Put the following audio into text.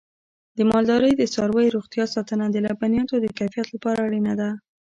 د مالدارۍ د څارویو روغتیا ساتنه د لبنیاتو د کیفیت لپاره اړینه ده.